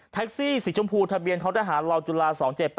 แท็กซี่สีชมพูทะเบียนท้องทหารราวจุฬา๒๗๘๔